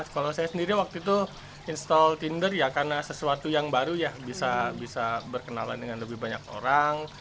kalau saya sendiri waktu itu install tinder ya karena sesuatu yang baru ya bisa berkenalan dengan lebih banyak orang